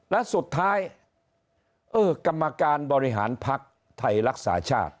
และสุดท้ายกรรมการบริหารพรรคไทยรักษาชาติ